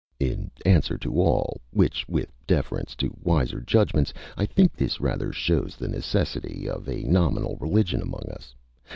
In answer to all which, with deference to wiser judgments, I think this rather shows the necessity of a nominal religion among us.